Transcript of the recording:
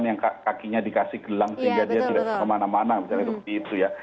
yang kakinya dikasih gelang sehingga dia tidak kemana mana